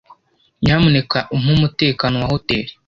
Nyamuneka umpe umutekano wa hoteri.